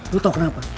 lo tau kenapa